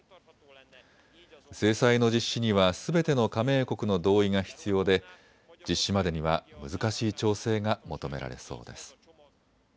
制裁の実施にはすべての加盟国の同意が必要で実施までには難しい調整が求められそうです。